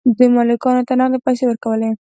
دوی مالکانو ته نغدې پیسې ورکولې.